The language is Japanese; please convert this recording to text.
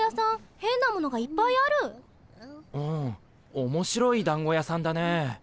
おもしろいだんご屋さんだね。